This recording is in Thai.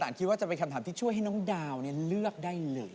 คิดว่าจะเป็นคำถามที่ช่วยให้น้องดาวเลือกได้เลย